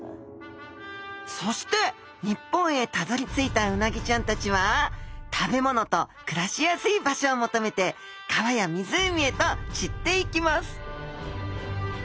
そして日本へたどりついたうなぎちゃんたちは食べ物と暮らしやすい場所を求めて川や湖へと散っていきます